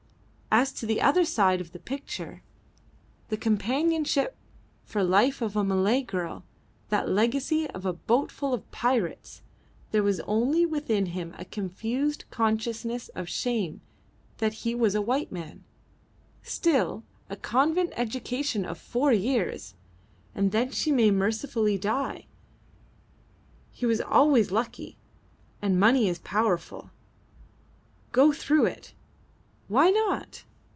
As to the other side of the picture the companionship for life of a Malay girl, that legacy of a boatful of pirates there was only within him a confused consciousness of shame that he a white man Still, a convent education of four years! and then she may mercifully die. He was always lucky, and money is powerful! Go through it. Why not?